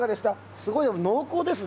すごい濃厚ですね。